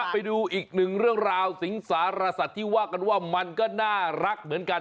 ไปดูอีกหนึ่งเรื่องราวสิงสารสัตว์ที่ว่ากันว่ามันก็น่ารักเหมือนกัน